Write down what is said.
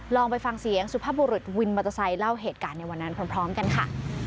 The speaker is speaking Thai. ลองไปฟังเสียงสุภาพบุรุษวินมอเตอร์ไซค์เล่าเหตุการณ์ในวันนั้นพร้อมกันค่ะ